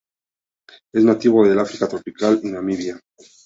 Es nativo del África tropical y Namibia.